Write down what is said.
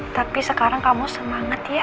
tapi sekarang kamu semangat ya